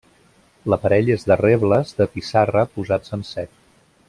L'aparell és de rebles de pissarra posats en sec.